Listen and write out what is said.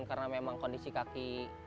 karena memang kondisi kaki